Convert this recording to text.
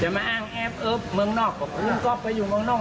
แบลล์รับเมืองนอกเลยผมไม่ว่าง